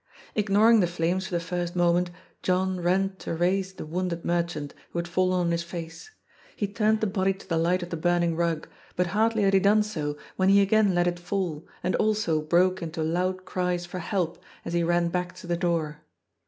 Ignoring the flames for the first moment, John ran to raise the wounded merchant, who had fallen on his face. He turned the body to the light of the burning rug, but hardly had he done so, when he again let it fall, and also broke into loud cries for help, as he ran back to the door.